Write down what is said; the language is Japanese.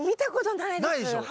ないでしょ。